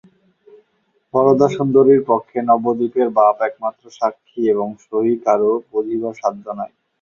বরদাসুন্দরীর পক্ষে নবদ্বীপের বাপ একমাত্র সাক্ষী এবং সহি কারো বুঝিবার সাধ্য নাই।